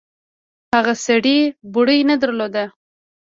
هغه سړي بوړۍ نه درلوده.